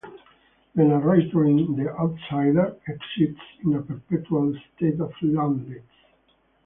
The narrator in "The Outsider" exists in a perpetual state of loneliness.